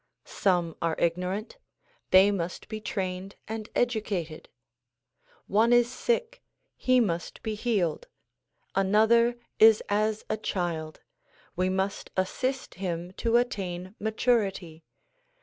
Some are ignorant; they must be trained and educated. One is sick; he must be healed. Another is as a child ; we must assist him to attain maturity.